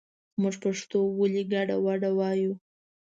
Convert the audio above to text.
مونږ پښتو ولې ګډه وډه وايو